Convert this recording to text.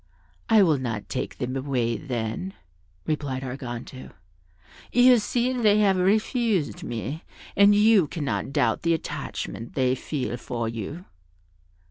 "I will not take them away, then," replied Arganto; "you see they have refused me, and you cannot doubt the attachment they feel for you."